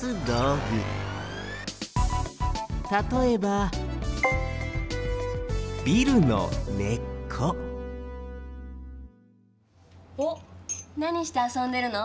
たとえばおっなにしてあそんでるの？